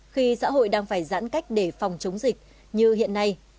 khi xã hội đang phải giãn cách để phòng chống dịch như hiện nay